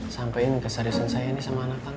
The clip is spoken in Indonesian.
sampain keseriusan saya ini sama anak tante